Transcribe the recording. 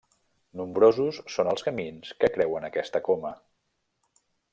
Nombrosos són els camins que creuen aquesta coma.